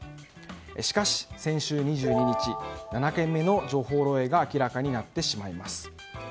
しかし先週２２日７件目の情報漏洩が明らかになってしまいます。